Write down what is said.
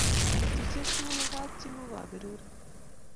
berushiek tugul ak kap chii ko kaberuret